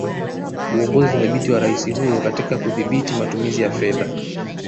Uongozi thabiti wa Rais huyo katika kudhibiti matumizi ya fedha